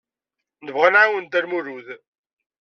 Nebɣa ad nɛawen Dda Lmulud.